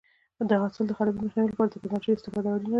د حاصل د خرابي مخنیوي لپاره د ټکنالوژۍ استفاده اړینه ده.